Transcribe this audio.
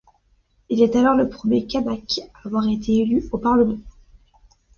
Il est alors le premier kanak à avoir été élu au Parlement.